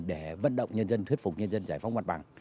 để vận động nhân dân thuyết phục nhân dân giải phóng mặt bằng